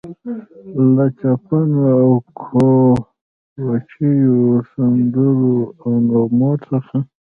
له چپنو او ګوبیچو، سندرو او نغمو څخه.